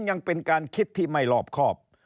ยังเป็นการคิดที่ไม่รอบครอบ